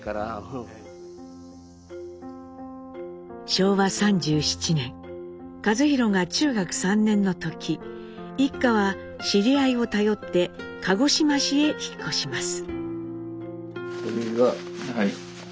昭和３７年一寛が中学３年の時一家は知り合いを頼って鹿児島市へ引っ越します。